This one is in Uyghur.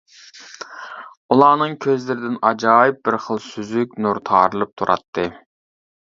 ئۇلارنىڭ كۆزلىرىدىن ئاجايىپ بىر خىل سۈزۈك نۇر تارىلىپ تۇراتتى.